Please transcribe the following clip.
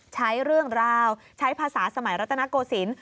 ใช้เรื่องราวใช้ภาษาสมัยรัตนโกศิลป์